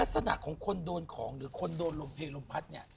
ลักษณะของคนโดนของหรือคนโดนลมเพลลมพัดเนี่ย